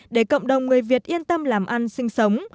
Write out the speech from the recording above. để cộng đồng người việt yên tâm làm ăn sinh sống